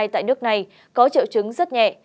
tại nước này có triệu chứng rất nhẹ